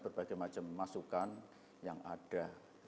berbagai macam masukan yang ada